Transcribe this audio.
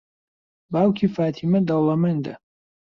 باوکی فاتیمە دەوڵەمەندە.